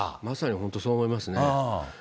まさに本当にそう思いますね。